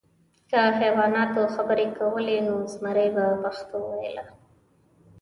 که حیواناتو خبرې کولی، نو زمری به پښتو ویله .